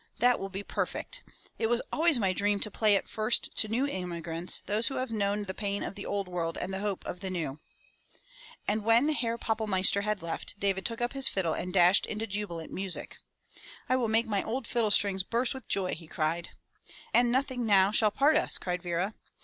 That will be perfect! It was always my dream to play it first to new immigrants, those who have known the^ pain of the old world and the hope of the new." And when Herr Pappelmeister had left, Davidl took up his fiddle and dashed into jubilant music.l "I will make my old fiddle strings burst with| joy!" he cried. "And nothing now shall part us!" cried Vera.